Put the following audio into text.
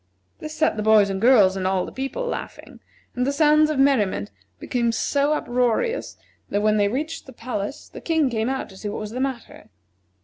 This set the boys and girls and all the people laughing, and the sounds of merriment became so uproarious that when they reached the palace the King came out to see what was the matter.